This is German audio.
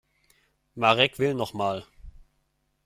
Marek will noch mal.